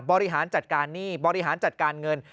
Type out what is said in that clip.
บริหารจัดการหนี้บริหารจัดการเงิน